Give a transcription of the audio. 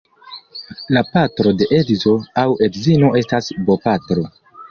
La patro de edzo aŭ edzino estas bopatro.